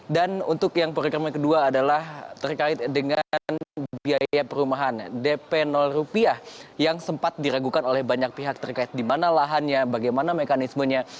dan untuk yang program yang kedua adalah terkait dengan biaya perumahan dp rupiah yang sempat diragukan oleh banyak pihak terkait di mana lahannya bagaimana mekanismenya